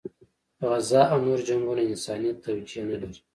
غزه او نور جنګونه انساني توجیه نه لري.